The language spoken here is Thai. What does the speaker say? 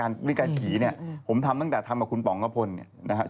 รายการวิ่งกายผีเนี่ยผมทำตั้งแต่ทำกับคุณป๋องกะพลเนี่ย